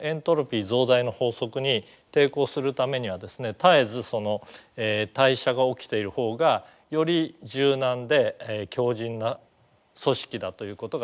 絶えずその代謝が起きているほうがより柔軟で強じんな組織だということが言えます。